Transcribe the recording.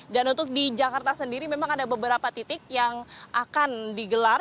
dan untuk di jakarta sendiri memang ada beberapa titik yang akan digelar